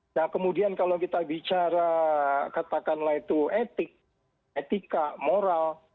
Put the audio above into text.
nah kemudian kalau kita bicara katakanlah itu etik etika moral